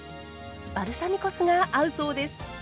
バルサミコ酢が合うそうです。